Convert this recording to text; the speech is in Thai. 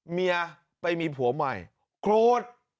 เมียไปมีผัวใหม่โกรธ